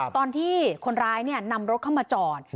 ตอนที่คนร้ายนำรถเข้ามาจอด